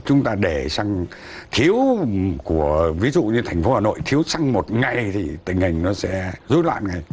chúng ta để xăng thiếu ví dụ như thành phố hà nội thiếu xăng một ngày thì tình hình nó sẽ rút lại một ngày